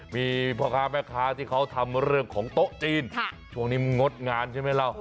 มีพ่อค้าแม่ค้าที่เขาทำเรื่องของโต๊ะจีนช่วงนี้มันงดงานใช่ไหมล่ะ